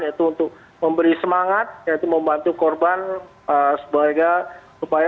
yaitu untuk memberi semangat yaitu membantu korban sebagai upaya